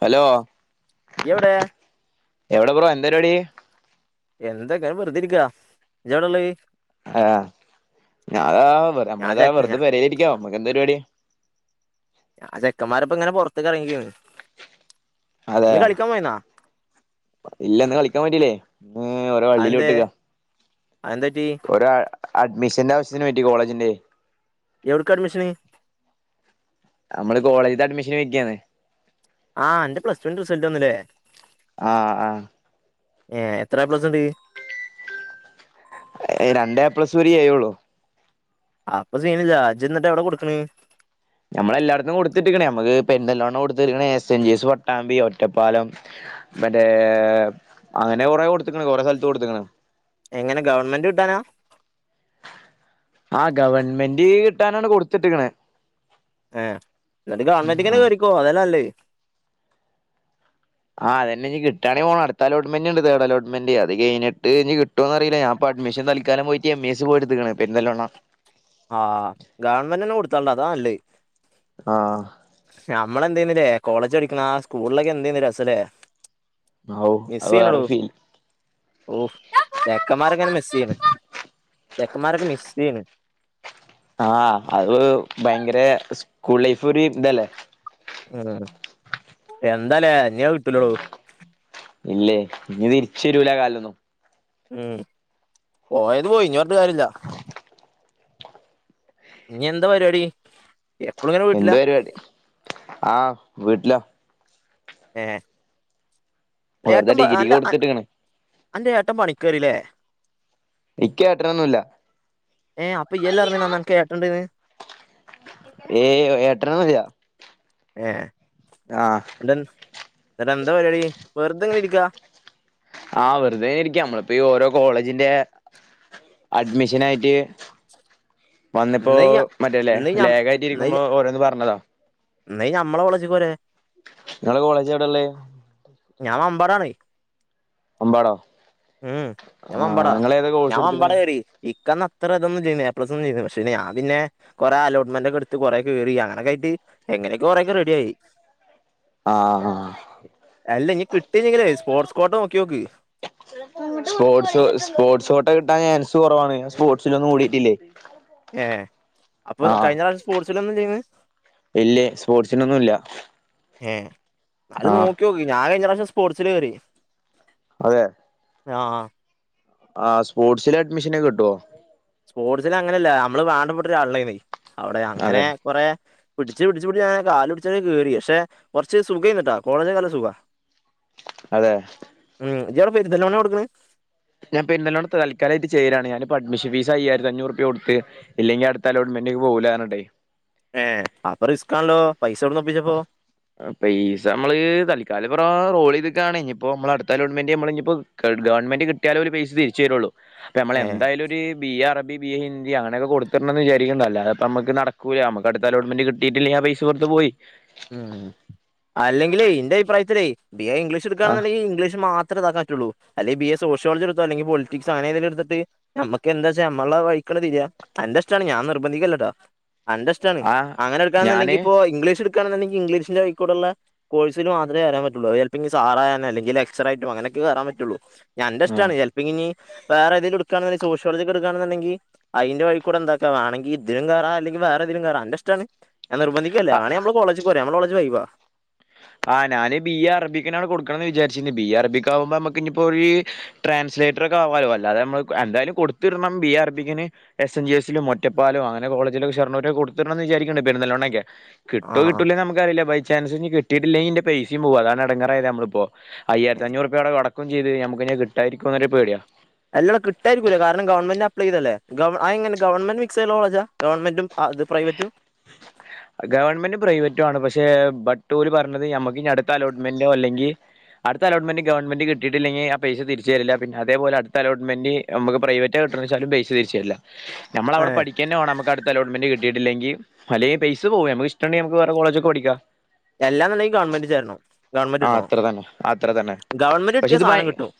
Hello നീ എവിടെ എവടെ ബ്രോ എന്തരിവാടി എന്താ ഇങ്ങനെ വെറ്തേ ഇരിക്കാ ഇജ്ജ് എവടെ ഇളളത് ആഹ് ഞാതാ വെ ഞാൻ നമ്മളതാ ചെക്ക ഞാ വെറുതെ പേരെലിരിക്കാ നമ്മുക്കെന്താ പരിവാടി ഞാ ചെക്കമ്മാരൊപ്പം ഇങ്ങനെ പൊറത്ത്ക്ക് കറങ്ങിക്കേന്ന് അതേ ഇല്ലന്ന് കളിക്കാപറ്റില്ലേ ഇന്ന് ഓരോ വള്ളീൽ പെട്ട്ക അന്തെറ്റി ഒര അഡ്മിഷൻ്റെ ആവിശ്യതിനെ പറ്റി കോളജിൻ്റെ എവിഡെക്കട്മിഷന്? നമ്മള് കോളേജിൽ അഡ്മിഷന് നിക്കയാണ് ആഹ് അന്റെ പ്ലസ് ടു വിന്റെ റിസൾട്ട് വന്നില്ലേ? ആഹ് ആഹ് ഏ എത്ര എ പ്ലസ് ഉണ്ട്? രണ്ടേപ്ലസ് ഒരു എ യുള്ളു അപ്പൊ സീന ഇജി എന്നിട്ട് എവിടെ കൊടുക്കണണ്? നമ്മള എല്ലായിടത്തും കൊടുത്തിട്ടിരിക്കണേ നമ്മുക്ക് പെരിന്തല്ലണ്ണം കൊടുത്തിരിക്കണ S N G S, Pattambi, Ottapalam, മറ്റേ അങ്ങനെ കൊറെ കൊടുത്തക്കണ് കൊറെ സ്ഥലത്ത് കൊടുത്തക്കണ്. എങ്ങനെ ഗവൺമെന്റ് കിട്ടാനാ? ആ് ഗവൺമെന്റ് കിട്ടാനാണ് കൊടുത്തിടേക്കാണ്. ആഹ് എന്നിട്ട് ആഹ് ഗവൺമെന്റിങ്ങെ കറിക്കോ അതല്ലേ നല്ലത്. ആ അതന്നെനി കിട്ടയാണങ്ക പോണം അടുത്ത അലോട്ട്മെന്റ്ണ്ട്. തേഡ അലോട്ട്മെന്റ് അത് കഴഞ്ഞിട്ട് ട്ടോന്ന്റിയില്ലഞാപ്പ അഡ്മിഷൻ തൽക്കാലം പോയിട്ട എം. എ. സി പോയി എടുത്തുകിണ് പെരിന്തൽമണ്ണ. ആഹ് ഗവൺമെന്റിന്നെ കൊടുത്താലുണ്ട് അതാ നല്ലേ ആഹ് നമ്മള് എന്തെനില്ലേ കോളേജ് പഠിക്കുന്ന സ്കൂളിലൊക്കെ എന്തെന്ന് രസല്ലെ. ഔ മിസ്സ് അത് ചെയ്യുനേടോ വേറെ ഫീൽ ഓഫ് ചെക്കമറൊക്കെ ഇങ്ങനെ മിസ്സെയ്യന് ചെക്കമാർക്കെ മിസ്സെയ്യൺ. ആഹ് അത് ഭയങ്കര സ്കൂൾ ലൈഫ് ഒരു ഇതല്ലേ. ആഹ് എന്താലേ ഇനി അത് കിട്ടുല്ലഡോ. ഇല്ലേ ഇനി തിരിച്ചു വരൂല ആ കാലൊന്നും. ഉം പോയത് പോയി ഇനി പറഞ്ഞിട്ട് കാര്യില്ല. ഇനി എന്താ പരിപാടി? എപ്പോഴും എന്ത് പരിപാടി ആഹ് വീട്ടില. ഏ വെറുതെ ഏട്ടൻ ഡിഗ്രിക്ക് ആ കൊടുത്തിട്ട്ക്ക്ണ് ആൻ്റെ ഏട്ടൻ പണിക്കേറിയല്ലേ? എൻക് ഏട്ടൻ ഒന്നുല്ലാ. ഏ അപ്പൊ ഈ അല്ലെ പറഞ്ഞേ അനക്ക് ഏട്ടൻ ഇണ്ടെന്ന് ഏയ് ഏട്ടൻ ഒന്നുല്ലാ ഏ [unintelligible] എന്താ പരിപാടി വെറുത എങ്ങനെ ഇരിക്കാ? ആ വെറുതെ ഇരിക്കാ നമ്മളപ്പോ ഈ ഓരോ കോളേജിന്റെ അഡ്മിഷൻ ആയിട്ട് വന്നിപ്പോ ഇന്ന് ഇയ്യ് മറ്റല്ലേ ഇന്ന് ഇയ്യ് ലാഗ് ആയിട്ട് ഇ രിക്കുമ്പോ ഓരോന്ന് പറഞ്ഞതാ. എന്ന ഈ നമ്മളെ കോളേജിക്ക് പോരെ. നിങ്ങളെ കോളേജ് എവിടെ ഉള്ളേ? ഞാൻ മമ്പാടന് അമ്പാടോ ഉം ഞൻ ആ മാംപടാ നിങ്ങള് ഏതാ കോഴ്സ് ഞാൻ മാംപട എടുത്തക്കണേ കേറിയെ. ഇക്കന്ന് അത്ര ഇതൊന്നും ചെയ്യുന്നു പ്ലസ് ഒന്ന ഇല്ലന് പക്ഷെ ഞാ പിന്നെ കുറെ അലോട്ട്മെന്റ ഒക്കെ എടുത്ത് കൊറെ കേറി അങ്ങനെ ഒക്കെ ആയിട്ട്ങ്ങനെയൊക്കെറെേ ഒക്കെറെഡിയായി. ആഹ് ആഹ് അല്ല ഇനി കിട്ടിഞ്ഞെങ്കേ സ്പോർട്സ് കോട്ട നോക്കി നോക്ക്. സ്പോർട്സ് സ്പോർട്സ് കോട്ട കിട്ടാൻ ചാൻസ് കുറവാണ്. ഞാൻ സ്പോർട്സിലൊന്നും കൂടിയിട്ടില്ലേ. ഏ അപ്പൊ ആ കഴിഞ്ഞ പ്രാവശ്യം സ്പോർട്സില ഒന്നും ചെയ്യന്ന് ഇല്ലേ സ്പോർട്സിനൊന്നുംല്ല ഏ അത് നോക്കി നോക്ക്. ഞാൻ കഴിഞ്ഞ പ്രാവശ്യം സ്പോർട്സില് കേറി. അതെ ആഹ് ആ സ്പോട്ട്സിൽ അഡ്മിഷൻ ഒക്കെ കിട്ടുവോ? സ്പോർട്സസിൽ അങ്ങനെയല്ല നമ്മള് വേണ്ട പെട്ട ഒരാള് ഉണ്ടായിരിന് അവിടെ അങ്ങനെ അതെ കുറെ പിടിച്ച് പിടിച്ച് പിടിച്ച് അങ്ങനെ കാലുപിടിച്ചൊക്കെ കേറി പക്ഷെ കുറച്ച് സുഖമായിരുന്നുട്ട കോളേജൊക്കെ നല്ല സുഖാ. അതെ. ഉം ജ്ജവിടെ പെരിന്തൽമണ്ണ കൊടുക്കുന്നെ? ഞാൻ പെരിന്തൽമണ്ണെപ്പ തൽക്കാലായിട്ട് ചേര്വാണ് ഞാനിപ്പ അഡ്മഷൻ ഫീസായി അയ്യായിരത്തിയന്നൂർ രുപ കൊടുത്ത്. ഇല്ലെങ്കി അടുത്തലോട്മെന്റിലേക്ക് പോവൂല്ലാറഞ്ഞിട്ടേ ഏ അപ്പ റിസ്കാണല്ലോ പൈസ എവിടന്ന് ഒപ്പിച്ചപ്പോ? പൈസമ്മള് തൽക്കാലിപ്പോ റോ റോളിങ്ങൊക്കാണ് ഇഞിപ്പോ നമ്മളടുത്ത അലോട്ട്മെന്റ് നമ്മള്ഇപ്പൊ ഇനിപ്പോ ഒ ഗവൺമെന്റി കിട്ടിയാലേ ഓരു പൈസ തിരിച്ചുരുള്ളൂ അപ്പ നമ്മള ഏ എന്തായാലും ഒരു ബിഎ അറബി ബി എ ഹിന്ദി അങ്ങനൊക്കെ കൊടുത്തിട്ടൊണ്ടന്ന് വിചാരിക്കണ്ട് അല്ലാതിപ്പ നമ്മക്ക് നടക്കൂല നമുക്കടുത്ത അലോട്മെന്റ് കിട്ടിയിട്ടില്ലെങ്കി ആ പൈസ വെർതെ പോയി ഉം അല്ലെങ്കിലേ ഇന്റഭിപ്രായത്തിലെ ബി എ ഇംഗ്ലീഷ് ആ എടുക്കാണെന്നുണ്ടെങ്കിൽ ഇംഗ്ലീഷ് മാത്രേതാക്കാൻ റ്റുള്ളൂ അല്ലേ ബി എ സോഷ്യോളജി എടുത്തോ അല്ലെ പോളിറ്റിക്സ് അങ്ങനെയെതേലും എടുത്തിട്ട് മ്മക്ക് എന്താച്ചാ നമ്മളെ വഴിക്കങ്ങട് തിരിയാ അന്റെഷ്ടാണ് ഞാൻ നിർബന്ധിക്കല്ലട്ടോ അന്റെ ഇ്ഷ്ടം ടാണ് ആ അങ്ങനെ ഞാന് എടുക്കാണെന്നുണ്ടെങ്കിപ്പോ ഇംഗ്ലീഷ് എടുക്കാണെന്നുണ്ടെങ്കി ഇംഗ്ലീഷിന്റെ വഴിക്കൂടൊള്ള കോഴ്സിനു മാത്രേ കേറാൻ പറ്റുള്ളൂ അത് ചെല്പിനി സാറാകാനോ അല്ലെങ്കിൽ ലക്ചറർ ആയിട്ടും അങ്ങനൊക്കെ കേറാൻ പറ്റുള്ളൂ. ആ അന്റിഷ്ടാണ് ചെലപ്പിനി വേറേതേലും എടുക്കാണെങ്കി സോഷ്യോളജിയൊക്കെ എടുക്കുവാണെന്നൊണ്ടെങ്കി അതിന്റെ വഴി കൂടെ എന്താക്കാ വേണെങ്കി ഇതിലും കേറാ അല്ലെങ്കി വേറെതിലും കേറാം അന്റിഷ്ടാണ് ഞാൻ നിർബന്ധിക്ക്വല്ല ആ വേണേ മ്മടെ കോളേജിൽ പോരേ മ്മടെ കോളേജ് വൈബാ ആ ഞാന് ബി എ അറബിക്കിനാണ് കൊടുക്കണന്ന് വിചാരിച്ചിരിക്കുന്നെ ബി എ അറബിക്കാവുമ്പോ നമുക്കിനിയിപ്പോരു ട്രാൻസ്‌ലേറ്റർ ഒക്കെ ആവാലോ അല്ലാതെ നമ്മള് എന്തായാലും കൊടുത്തിടണം ബി എ അറബികിന് എസ് എൻ ജി എസിലും ഒറ്റപ്പാലോം അങ്ങനെ കോളേജില് ഷോർണൂരൊക്കെ കൊടുത്തിട്ടൊണ്ടെന്നു വിചാരിക്കുന്നു പെരിന്തൽമണ്ണേക്കെ ആ കിട്ടുവോ കിട്ടൂല്ലേ നമുക്കറില്ല ബൈ ചാൻസിനി കിട്ടിയിട്ടില്ലെങ്കി ഇന്റെ പൈസയും പോവും അതാണെടങ്ങേറായത് നമ്മളിപ്പോ അയ്യായിരത്തി അഞ്ഞൂറുപ്യ അവിടെ അടക്കേം ചെയ്ത് നമുക്കിനി കിട്ടാതിരിക്കൊന്നൊരു പേടിയാണ് അല്ലെടാ കിട്ടാതിരിക്കൂല കാരണം ഗവൺമെന്റപ്ലൈ ചെയ്തല്ലേ അതെങ്ങനെ ഗവൺമെന്റ് മിക്‌സായുള്ള കോളേജാ? ഗവൺമെൻറും അത് പ്രൈവറ്റും? ഗവൺമെന്റും പ്രൈവറ്റും ആണ് പക്ഷെ ബട്ടൂര് പറഞ്ഞത് നമക്കിനി അടുത്ത അലോട്ട്മെന്റോ അല്ലെങ്കി അടുത്തലോട്ട്മെന്റ് ഗവണ്മെന്റി കിട്ടിയിട്ടില്ലെങ്കി ആ പൈസ തിരിച്ചു തരില്ല പിന്നെ അതേപോലെ അടുത്തലോട്ട്മെന്റ് നമുക്ക് പ്രൈവറ്റാ കിട്ടുന്നച്ചാലും പൈസ തിരിച്ചുതരില്ല ഏ നമ്മളവിടെ പഠിക്കന്നെ വേണം നമുക്കടുത്ത അലോട്ട്മെന്റ് കിട്ടിയിട്ടില്ലെങ്കി അല്ലേ ഈ പൈസ് സ പോവും നമ്മക്കിഷ്ട്ടൊണ്ടേ നമ്മക്ക് വേറെ കോളേജൊക്കെ പഠിക്കാം എല്ലാന്നണ്ടെങ്കി ഗവൺമെന്റി ചേരണം ഗവൺമെന്റ് ആ കിട്ടണം അത്ര തന്നെ അത്ര തന്നെ ഗവൺമെന്റ് പക്ഷെ കിട്ടിയ ഇത് ഭയ് സാധനം കിട്ടും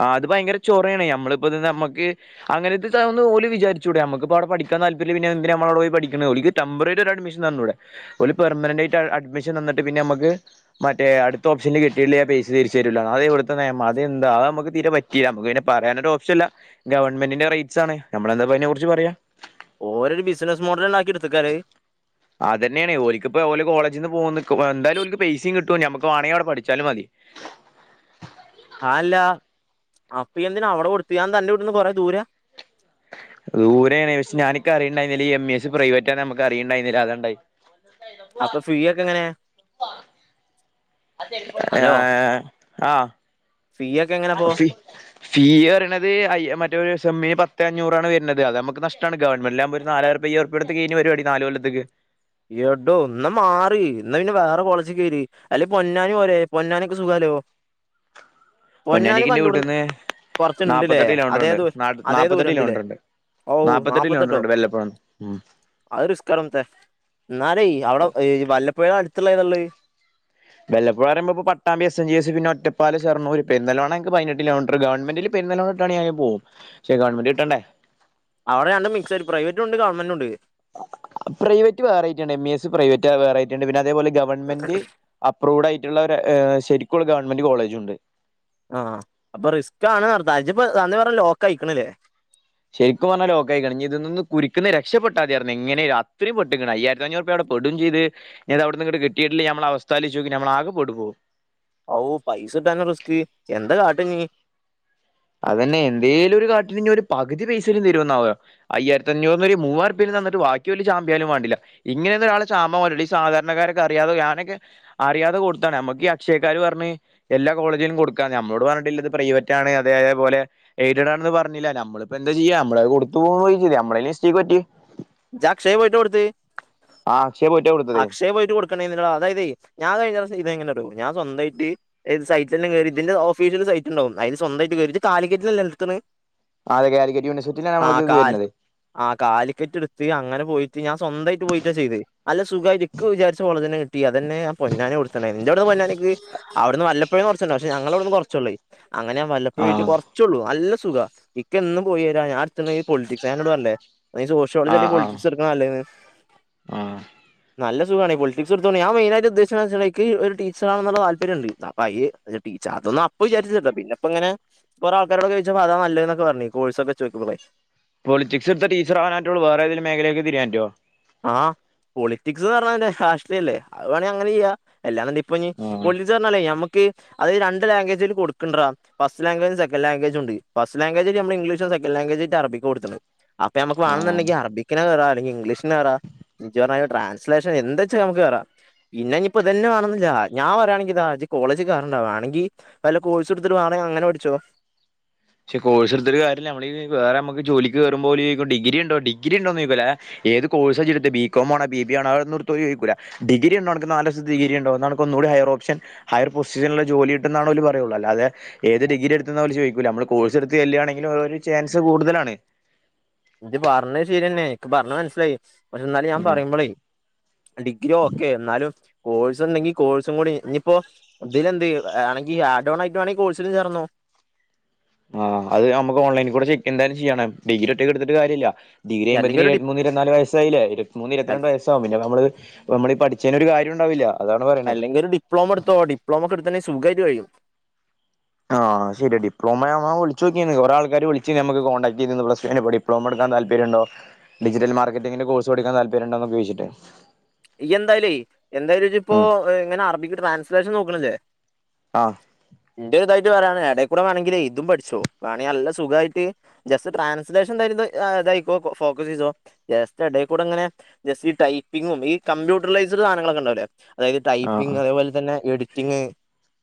ആ അത് ഭയങ്കര ചൊറയാണെ നമ്മളിപ്പ ഇതു നമ്മക്ക് അങ്ങനത്തിതാവൂന്ന് ഓല് വിചരിച്ചൂടെ മ്മക്കിപ്പോ അവിടെ പഠിക്കാൻ താല്പര്യല്ലേ പിന്നെ എന്തിനാ നമ്മളവിടെ പോയി പഠിക്കുന്നത് ഓല്ക്കു ടെംമ്പററി ഒരഡ്മിഷൻ തന്നൂടെ ഓല് പെർമനന്റ് ആയിട്ട് അഡ്മിഷൻ തന്നിട്ട് പിന്നെ നമ്മക്ക് മറ്റേ അടുത്ത ഓപ്ഷനില് കിട്ടീല്ലേ ആ പൈസ തിരിച്ചു തരൂല്ലാന്ന് അതെവിടുത്തെ നെയമാ അതെന്താ അത് മ്മക്ക് തീരെ പറ്റ് ല്ല നമുക്ക് പിന്നെ പറയാനൊരോപ്ഷനില്ല ഗവൺമെന്റിന്റെ റീച്ചാണ് നമ്മളെന്താപ്പതിനെക്കുറിച്ച് പറയാ ഓലൊരു ബിസിനസ് മോഡല്ലാക്കി ഇട്ത്തക്കാലത് അതന്നെയാണ് ഓലുക്കിപ്പോ ഓല് കോളേജിന്ന് പോക്വോ നിക്കോ എന്തായാലുംക്ക് പൈസയും കിട്ടും ഞമ്മുക്ക് വേണേങ്കി അവിടെ പഠിച്ചാലും മതി ആല്ല അപ്പൊ എന്തിന അവിടെ കൊടുത്ത് അത് എൻത അന്റെ വീട്ട്ന്ന് കൊറേ ദൂരാ? ദൂരെയാണ് ക്ഷേ ഞാനിക്ക അറിയണുണ്ടായിരുന്നില്ലീ എം ഇ എസ് പ്രൈവറ്റാന്നു നമ്മുക്കറിയണുണ്ടായിരുന്നില്ല അതാണണ്ടായെ അപ്പൊ ഫീ ഒക്കെ എങ്ങനെയാ? ഏ ഹലോ ആ ഫീ എക് അ ഫി ഫീ പറയണത് അ മറ്റേരു സെമ്മിന് പത്ത് അഞ്ഞൂറാണ് വരുന്നത് അത് നമുക്ക് നഷ് ട്ടാണ് ഗവമെന്റിലാകുമ്പ ഒരു നാലായിരറുപ്യ അയ്യായിരറുപ്യ കൊടുത്ത കൈഞ്ഞു പരിപാടി നാലുകൊല്ലത്തേക്ക് എടോ എന്ന മാറ് എന്നാ പിന്നെ വേറെ കോളേജി കേറ് [unintelligible] പൊന്നാനി പോരേ പൊന്നാനിയൊക്കെ സുഖാല്ലോ പൊന്നാനീക്ക് ഇന്റെ വീട്ടിന്ന് കൊറച്ചുണ്ട്ല്ലേ നാല്പത്തെട്ട് അതേ കിലോമീറ്റർണ്ട് ദൂ അതേ നാപ്പത്തി ദൂരം എട്ട് ഉണ്ടല്ലേ കിലോമീറ്റർ ഉണ്ട് ഓ നാൽപതെട്ട് നാപ്പത്തെട്ടോ കിലോമീറ്ററുണ്ട് വല്ലപ്പുഴന്ന് ഉം അത് റിസ്കാണ് മുത്തേ എന്നാലേയ് അവിടെ വല്ലപ്പുഴ അടുത്തുള്ള ഏതാള്ളത് വല്ലപ്പുഴ പറയുമ്പോ ഇപ്പോ Pattambi S N G S പിന്നെ ഒറ്റപ്പാലം ഷൊർണുർ പെരുന്തൽമണ്ണ ഇക്ക് പതിനെട്ട് കിലോമീറ്റർ ഗവൺെമെന്റില് പെരിന്തൽമണ്ണ കിട്ടണേൽ ഞാൻ പോവും പക്ഷെ ഗവൺമെന്റ് കിട്ടണ്ടേ അവടെ രണ്ടും മിക്സ് ആയിട്ട് പ്രൈവറ്റും ഉണ്ട് ഗവണ്മെന്റും ഉണ്ട് പ്രൈവറ്റ് വേറെ ആയിട്ടാണ് എം ഇ എസ് പ്രൈവറ്റ് വേറെ ആയിട്ടുണ്ട് പിന്നെ അതേപോലെ ഗവൺമെന്റ് അപ്രൂവ്ഡ് ആയിട്ടുള്ള ഒരു ഏ ശരിക്കുള്ള ഗവൺമെന്റ് കോളേജ് ഉണ്ട് ആഹ് അപ്പൊ റിസ്കാണ് അർഥം ഇജ്ജ്പ്പൊ അന്ന് കുറേ ലോക്ക് ആയിക്കുണുല്ലേ ശരിക്കും പറഞ്ഞാ ലോക്കായികാണ് എനി ഇതിന്നൊന്ന് കുരിക്ക്ന്ന് രക്ഷപ്പെട്ടാമതിയായിരുന്നു എങ്ങനെലും അത്രയും പെട്ട്കുണൂ അയ്യായിരതഞ്ഞൂർപ്യ അവടെ പെടും ചെയ്ത് ഇനി അത് അവിടന്ന് ഇങ്ങട് കിട്ടിയിട്ടില്ലേൽ ഞമ്മളെ അവസ്ഥ ആലോയ്ചോക്ക് ഞമ്മൾ ആകെ [unintelligible] ഔപൈസ കിട്ടാനാ റിസ്ക് എന്താ കാട്ട ഇനി അതന്നെ എന്തെങ്കിലും [unintelligible] ഒരു പകുതി പൈസയെങ്കിലും തരോന്നാവോ അയ്യായിരതിയഞ്ഞൂറിൽ ഒരു മുവ്വായിരം രൂപ തന്നിട്ട് ബാക്കി ഓല് ചാമ്പിയാലും വേണ്ടില്ല ഇങ്ങനെയൊന്നും ഒരാളെ ചാമ്പാൻപറ്റില്ല ഈ സാധാരണക്കാരൊക്കെ അറിയാതെ ഞാനൊക്കെ അറിയാതെ കൊടുത്തതാണ് നമ്മക്ക് ഈ അക്ഷയക്കാര് പറഞ്ഞ് എല്ലാ കോളേജിലും കൊടുക്കാന്ന് നമ്മളോട് പറഞ്ഞിട്ടില്ല ഇത് പ്രൈവറ്റ് ആണ് അതേ അതേപോലെ എയ്തണവന് പറഞ്ഞില്ല നമ്മളപ്പോ എന്താ ചെയ്യാ നമ്മളത് കൊടുത്തു പോയി നമ്മൾ ടെ അടുത്ത്മിസ്റ്റേക്ക് പറ്റി ജ്ജ് അക്ഷയേൽ പോയിട്ടാ കൊട്ത്ത് ആ അക്ഷയ പോയിട്ടാ കൊടുത്തതേ അക്ഷയേൽ പോയിട്ട് കൊടു അതായത് ഞാൻ കഴിഞ്ഞ [unintelligible] അതായതെ ഞാൻ കഴിഞ്ഞ പ്രാവിശ്യം ചെയ്ത് ചെയ്തെന്നറിയോ ഞാൻ സ്വന്തമായിട്ട് [unintelligible] സൈറ്റില്ലാം കയറി ഇതിന്റെ ഓഫിഷ്യൽ സൈറ്റ് ഉണ്ടാകും അതിൽ സ്വന്തമായിട്ട് കയറീട്ട് ജ്ജ് കാലിക്കറ്റ് അല്ലേ നിർത്തണത് അതെ കാലിക്കറ്റ് യൂണിവേഴ്സിറ്റിയിലാണ് നമ്മുക്ക് ഇത് കാൽ വരുന്നത് ആ കാലിക്കറ്റ് അങ്ങനെ പോയിട്ട് ഞാൻ സ്വന്തമായിട്ട് പോയിട്ട ചെയ്ത് അല്ല സുഖമായിട്ട് ഇക്ക് വിചാരിച്ച പോലെത്തന്നെ കിട്ടി അതന്നെ ഞാൻ പൊന്നാനി കൊടുതിട്ടുണ്ടായിരുന്നു എന്റെ അവിടുന്ന് പൊന്നാനിക്ക് അവിടുന്ന് വല്ലപ്പുഴേന്ന് കുറച്ചുണ്ട് പക്ഷെ ഞങ്ങളവിടുന്ന് കുറച്ചുള്ളേയ് അങ്ങനെ ഞാൻ വല്ലപ്പോഴും ആ വീട്ടിൽ [unintelligible] കുറച്ചുള്ളു നല്ല സുഖ എന്നിക്കെന്നും പോയി വരാൻ ഞാൻ അടുത്തുണ്ടെങ്കി പൊലിറ്റിക്സ എന്നോട് പറഞ്ഞില്ലെ നീ [unintelligible] ആ [unintelligible] ആ പൊളിറ്റിക്സ് എടുക്കുന്നതാ നല്ലതെന്ന് ആ നല്ല സുഖമാണ് പൊളിറ്റിക്സ് [unintelligible] ഞാൻ മൈൻ ആയിട്ട് [unintelligible] ഇക്ക് ഒരു [unintelligible] തല്പര്യംണ്ട് [unintelligible] അതൊന്നും അപ്പൊ വിചാരിച്ചിട്ടില്ല പിന്ന ഇപ്പോ ഇങ്ങനെ കുറേ ആൾകാരോട് ചോയ്ച്ചപ്പോ അത നല്ലതെന്ന് ഒക്കെ [unintelligible] കോഴ്സക്കെ [unintelligible] പൊളിറ്റിക്സ് എടുത്ത ടീച്ചേറാകാനെ പറ്റുള്ളു വേറെ ഏതെങ്കിലും മേഖലേക്ക് തിരിയാൻ പറ്റോ ആഹ പോളിറ്റിക്സ് എന്ന് പറഞ്ഞാൽ [unintelligible] അത് വേണെങ്കിൽ അങ്ങനെ ചെയ്യ [unintelligible] ഇപ്പൊ [unintelligible] [unintelligible] ഞമ്മക്ക് അത് രണ്ട് ലാംഗ്വേജായ്ട്ട് [unintelligible] ഫസ്റ്റ് ലാംഗ്വേജും സെക്കൻഡ് ലാംഗ്വേജും ഉണ്ട് ഫസ്റ്റ് ലാംഗ്വേജ് [unintelligible] ഇംഗ്ലീഷും സെക്കന്റ്‌ ലാംഗ്വേജ് ആയിട്ട് അറബിക്കും കൊടുതിട്ടുണ്ട് അപ്പ നമുക്ക് ആ ആ വേണന്നുണ്ടെങ്കിൽ അറബിക്നു കേറ അല്ലങ്കിൽ ഇംഗ്ലീഷിന് [unintelligible] ട്രാൻസ്ലേഷൻ എന്താ വച്ചാ നമുക്ക് കേറാം പിന്നെ ഇനി ഇപ്പ ഇതന്നെ വേണെന്നില്ല ഞാൻ പറയാണെങ്കിൽ ഇതാ ഇജ്ജ് കോളേജിൽ കേറണ്ട വാണെങ്കി വല്ല കോഴസ് എടുത്തിട്ട് വേണേ അങ്ങന പഠിച്ചോ പക്ഷേ കോഴ്സ് എടുത്തിട്ടികാര്യല്ല നമ്മളീ വേറെ നമുക്ക് ജോലിക്കേറുമ്പോൾ ഓല് ചോയ്ക്കും ഡിഗ്രി ഉണ്ടോ [unintelligible] ഏത് കോഴ്സ് [unintelligible] ബി കോം ആണോ ബി ബി എ ആണോ [unintelligible] ചോദിക്കൂല ഡിഗ്ര ഉണ്ടോ അനക്ക് നാലുവർഷത്തെ ഡിഗ്രി ഉണ്ടോ എന്ന അനക് ഒന്നുകൂടെ ഹയർ ഓപ്ഷൻ ഹയർ പൊസിഷനുള്ള ജോലി [unintelligible] പറയുള്ളു അല്ലാതെ ഏത് ഡിഗ്രി എടുത്തുന്ന് ഓലു ചോയ്ക്കൂല നമ്മൾ കോഴ്സ് എടുത്ത് ചെല്ലണെങ്കിൽ [unintelligible] ചാൻസ് കൂടുതലാണ് [unintelligible] പറഞ്ഞത് ശരിയന്നെ എനിക്ക് പറഞ്ഞഞ് മനസ്സിലായി പക്ഷെ എന്നാൽ ഞാൻ ആ പറയുമ്പോളേയ് ഡിഗ്രി ഓക്കെ എന്നാലും കോഴ്സ് ഉണ്ടെങ്കി കോഴ്സും കൂടി ഇനിപ്പോ ഇതിലെന്ത് [unintelligible] [unintelligible] ആയിട്ട് വേണെങ്കിൽ കോഴ്സിൽ ചേർന്നോ ആഹ് അത് നമുക്ക്ഓലൈനിൽ കൂ ചെക്ക് എന്തായാലും ചെയ്യണം ഡിഗ്രി ഒറ്റക്ക് ഇട്ത്ത്ട്ട് കാര്യല്ല ഡിഗ്രികയ്യുമ്പോതിൻ അല്ലെങ്കിൽ ഒരു ഡി ഇരുബത്തി മൂന്ന് ഇരുബത്തി നാല് വയസായില്ലേ ഇരുപത്തി മൂന്ന് ഇരുപത്തി രണ്ട് വയസ് പ്പൊ നമ്മള് നമ്മളീ പഠിച്ചേൻ ഒരാ കാര്യ ഉണ്ടാവുല്ല അല്ലെങ്കിൽ ഒരു ഡിപ്ലമ ഇട്ത്തോ ഡിപ്ലമൊക്ക ഇട്ത്തൊ സുഖയിട്ട് കഴിയും ആഹ് ശരി ഡിപ്ലൊമ വ വിളിച്ചൊ ക്കിൻ കൊറെ ആൾക്കാര് വിളിച്ച് നമ്മക്ക് കോടാക്ട് ചെയ്യ്തിൻ പ്ലസ് ഡപ്ളൊമ ഇട്ക്കാൻ താൽപര്യണ്ടൊ ഡിജിറ്റൽ മാർക്കറ്റി കോഴ്സ് പഠിക്കാൻ താല്പര്ംണ്ടോന്നൊക്കെ ചോയിച്ച്ട്ട് ഇയ്യ എന്തായാലേയ് എന്തായാലും ചിപ്പോ ഉം ഇങ്ങനെ അറബിക്ക് ട്രാൻസ്ലേഷൻ നോക്ക്ണില്ലേ ആഹ് ഇന്റെ ഇതായിട്ട് പറയാണ് എട കൂടെ വേണെങ്കി ഇതും പഠിച്ചോ വേണെ അല്ല സുഖായിട്ട് ജസ്റ്റ് ട്രാൻസ്ലേഷൻ തര ഇതായിക്കോ ഫോക്കസ് ചെയ്തോ ജസ്റ്റ് ഇടയിൽ കൂടെ അങ്ങനെ ജസ്റ്റ് ഈ ടൈപ്പിങ്ങും ഈ കമ്പ്യൂട്ടറലൈസ്ഡ് സധങ്ങളൊക്കെ ഉണ്ടാവൂലേ അതായത് ആഹ് ടൈപ്പിംഗ് ആഹ് അതേപലെ തന്നെ എഡിറ്റിംഗ്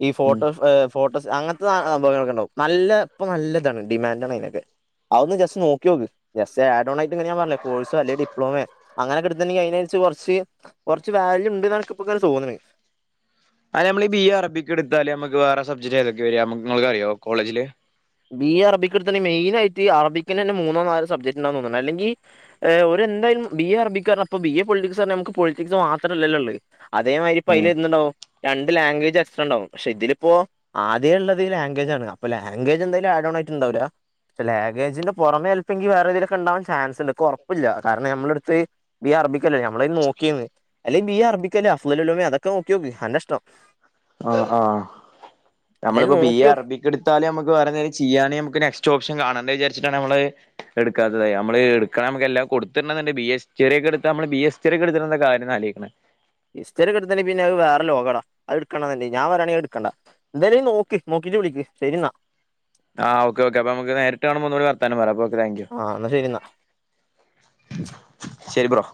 ഈ ഉം ഫോട്ടോ ഫോട്ടോസ് അങ്ങൻത്തെ സംഭവങ്ങളൊക്ക ഉണ്ടാവും നല്ല ഇപ്പൊ നല്ലതാണ് ഡിമാൻഡ് ആണ് അതിനൊക്കെ അതൊന്ന് ജസ്റ്റ് നോക്കി ഓക്ക് ജസ്റ്റ് ആഡോണായി ഞാ പറഞ്ഞ കോഴ്സോ അല്ലെ ഡിപ്ലോമ അങ്ങനെ ഒക്കെ എട്ത്ത്ണ്ടെങ്കി അതിനരിച്ച് കുറച്ച് കുറച്ച് വാല്യു ഉണ്ട് എന്നാണ് ഇൻക്ക് ഇപ്പൊക്കെ ഇങ്ങനെ തോന്ന്ണ് അതെ നമ്മള് ബി എ അറബിക്ക് എടുത്താല് നമ്മക്ക് വേറെ സബ്ജക്ട് ഏതൊക്കെ വരിക നിങ്ങൾക്ക് അറിയോ കോളേജില് ബി എ അറബിക്ക എടുത്താല് മെയിനായിയിട്ട് അറബിക്കി ലന്നെ മൂന്നോ നാലോ സബ്ബ്ക്ട് ഉണ്ടാവും തോന്നുണത് അല്ലങ്കിൽ ഓര് എന്തായാലും ബി എ അർബിക്കർഞ്ഞ അപ്പം ബി എ പൊളിറ്റിക്സ് പറഞ്ഞാ നമുക്ക് പൊളിറ്റിക്സ് മാത്രല്ലല്ലോള്ളത് അതേമാതിരി പ്പം അയിൽ ഉം എന്തുണ്ടാവും രണ്ട് ലാൻഗേജ് എക്സ്ട്രാ ണ്ടാവും പക്ഷെ ഇതിലിപ്പോ ആദ്യേ ള്ളത് ലാംഗ്വേജാ ആണ് അപ്പൊ ലാ ങ്കേജ് എന്തായാലും ആഡോൺ ആയിട്ട് ഉണ്ടാവൂല്ല പക്ഷെ ലാഗേജിന്റെ പുറമെ എൽപ്പംങ്കി വേറെ ഇതിലൊക്കെ ഉണ്ടാവാൻ ചാൻസ് ഉണ്ട് ഇൻക്ക് ഉറപ്പില്ല കാരണം നമ്മളെ എടുത്ത് ബി എ അറബിക്കല്ലേ നമ്മള അയ്ന് നോക്കിന്ന് അല്ലെങ്കി ബി അറബിക്കല്ലേ അഫ് ളലു ലൂമി അതൊക്കെ നോക്കി ഓക്ക് അന്റെ ഇഷ്ടം ആ ആഹ് എന്തായാലും നമ്മളിപ്പോ ബി എ നോക്കി അറബിക്ക് എടുത്ത് എത്താല് നമു വേര നേ ചെയ്യാ നെസ്റ്റ് ഓപ്ഷൻ ക്കണണ്ടന്ന് വിചാരിിട്ടാണ് നമ്മള് എടുക്കാത്തത് നമ്മള് എടുക്കണ നമുക്ക് എല്ലാം കൊടുത്ത്ടണന്ന് ണ്ടെങ്കി ബി എ ഹിസ്റ്റിയ ഒക്കെ എടുത്ത നമ്മള് ബി ഹിസ്റ്ററി ഒക്ക എടുത്ത് കാര്യം ആലോചിക്കുന്നേ ഹിസ്റ്ററി എട്ത്ത്ണ്ടങ്കി പിന്നെ അത് വേറെ ലോകടാ അത് എടുക്കണന്ന ഞൻ പറയാണെങ്കി അത് എടുക്കണ്ട എന്തായാലും നോക്കി നോക്കിട്ട് വിളികക്ക് ശരി എന്നാ ആ ഓക്കെ ഓക്കെ അപ്പൊ നമുക്ക് നേരിട്ട് കാണ് മ്പോ ഒന്ന് കൂടി വർത്താനം പറയാം അപ്പൊ ഓക്കെ താങ്ക് യു ആ എന്നാ ശരിന്നാ ശരി ബ്രോ